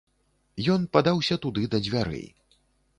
Ён падаўся туды да дзвярэй.